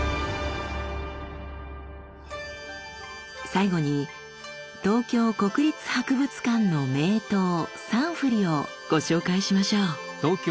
最後に東京国立博物館の名刀さんふりをご紹介しましょう。